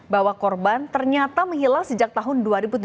bahwa korban ternyata menghilang sejak tahun dua ribu tujuh belas